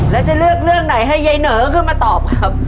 แล้วจะเลือกเรื่องไหนให้ยายเหนอขึ้นมาตอบครับ